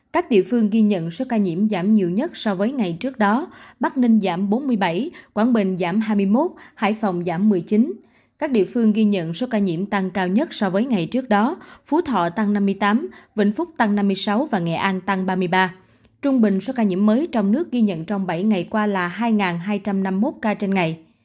các địa phương ghi nhận số ca nhiễm giảm nhiều nhất so với ngày trước đó bắc ninh giảm bốn mươi bảy quảng bình giảm hai mươi một hải phòng giảm một mươi chín các địa phương ghi nhận số ca nhiễm tăng cao nhất so với ngày trước đó phú thọ tăng năm mươi tám vĩnh phúc tăng năm mươi sáu và nghệ an tăng ba mươi ba trung bình số ca nhiễm mới trong nước ghi nhận trong bảy ngày qua là hai hai trăm năm mươi một ca trên ngày